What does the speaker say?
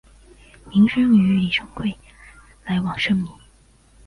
明升与李成桂来往甚密。